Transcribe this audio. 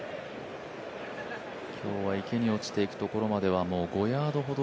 今日は池に落ちていくところまでは５ヤードほど。